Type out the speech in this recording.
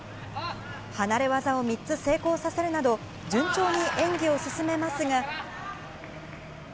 離れ技を３つ成功させるなど、順調に演技を進めますが。